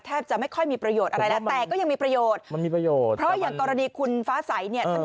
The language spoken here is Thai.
แทบจะไม่ค่อยมีประโยชน์อะไรแล้วแต่ก็ยังมีประโยชน์เพราะอย่างตรณีคุณฟ้าใสเนี่ย